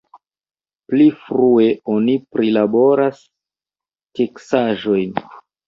Pli frue oni prilaboris teksaĵojn.